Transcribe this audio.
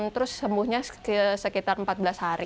terus sembuhnya sekitar empat belas hari